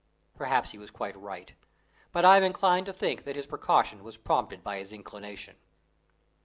Perhaps he was quite right, but I am inclined to think that his precaution was prompted by his inclination.